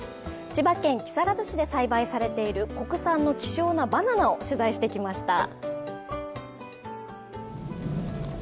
千葉県木更津市で栽培されている、国産の希少なバナナを取材してきました。